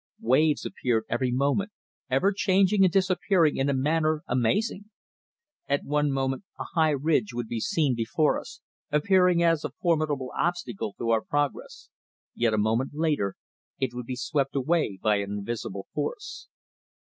Waves appeared every moment, ever changing and disappearing in a manner amazing. At one moment a high ridge would be seen before us, appearing as a formidable obstacle to our progress, yet a moment later it would be swept away by an invisible force.